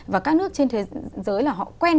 và các nước trên thế giới là họ quen